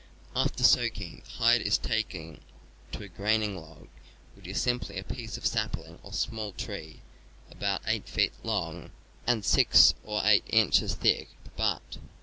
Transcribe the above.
After soaking, the hide is taken to a graining log, which is simply a piece of sapling or small tree about 8 feet long and 6 or 8 inches thick at the butt.